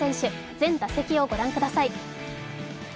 全打席をご覧ください。